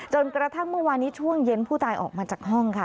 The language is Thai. จนกระทั่งเมื่อวานนี้ช่วงเย็นผู้ตายออกมาจากห้องค่ะ